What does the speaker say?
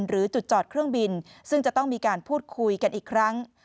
หรือจุดจอดเครื่องบินซึ่งจะต้องมีการพูดคุยกันอีกครั้ง